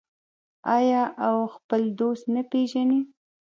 آیا او خپل دوست نه پیژني؟